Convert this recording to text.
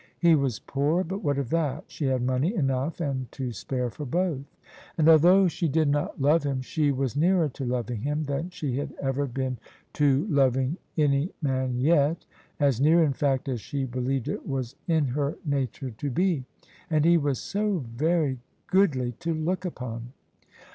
He was poor, but what of that? She had money enough and to spare for both. And although she did not love him, she was nearer to loving him than she had ever been to loving THE SUBJECTION any man yet — ^as near, in fact, as she believed it was in her nature to be. And he was so very goodly to look upon